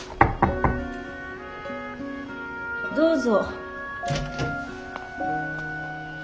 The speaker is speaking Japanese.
・どうぞ。